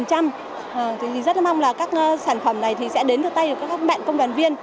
rất mong các sản phẩm này sẽ đến được tay các bạn công đoàn viên